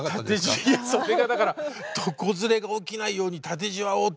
それがだから床ずれが起きないように縦じわを。